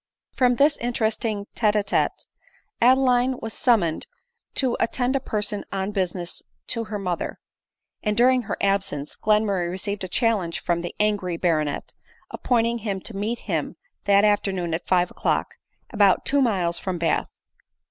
From this interesting tete a tete Adeline was summon ed to attend a person on business to her mother % and during her absence, Glenmurray received a challenge from the angry baronet, appointing him to meet him that afternoon at five o'clock, about two miles from Bath.